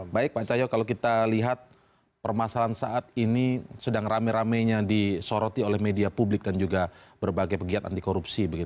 baik pak cahyo kalau kita lihat permasalahan saat ini sedang rame ramenya disoroti oleh media publik dan juga berbagai pegiat anti korupsi